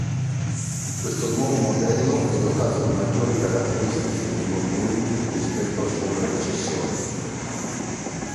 Questo nuovo modello è dotato di maggiori caratteristiche e movimenti rispetto al suo predecessore.